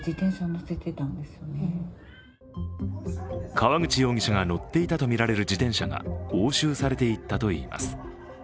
川口容疑者が乗っていたとみられる自転車が押収されていったといいます。